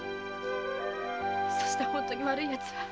そして本当に悪いヤツは。